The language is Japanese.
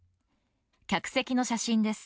客席の写真です。